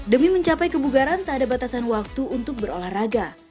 demi mencapai kebugaran tak ada batasan waktu untuk berolahraga